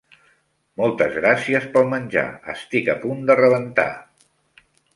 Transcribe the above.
Moltes gràcies pel menjar, estic a punt de rebentar.